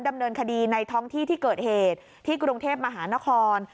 ดำเนินคดีในท้องที่ที่เกิดเหตุที่กรุงเทพมหานคร